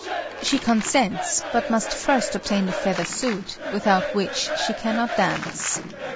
She consents, but must first obtain the feather suit, without which she cannot dance.